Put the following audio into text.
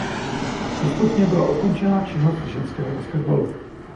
Postupně byla ukončena činnost ženského basketbalu.